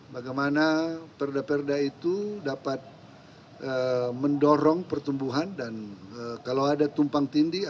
bagaimana perda perda itu dapat mendorong pertumbuhan dan kalau ada tumpang tindih